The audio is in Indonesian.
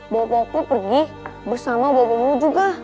bobomu pergi bersama bobomu juga